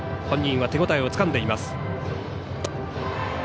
本人は手ごたえをつかんでいます。